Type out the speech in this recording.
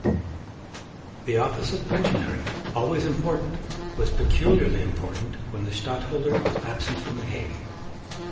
The office of Pensionary, always important, was peculiarly important when the Stadtholder was absent from the Hague.